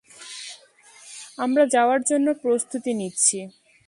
আমরা যাওয়ার জন্য প্রস্তুতি নিচ্ছি!